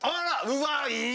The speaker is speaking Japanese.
うわいい！